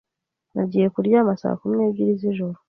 Nagiye kuryama saa kumi n'ebyiri z'ijoro.